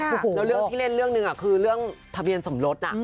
ที่เล่นเรื่องหนึ่งคือเรื่องพะเบียนสมรส